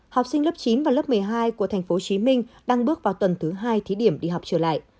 học sinh lớp chín và lớp một mươi hai của tp hcm đang bước vào tuần thứ hai thí điểm đi học trở lại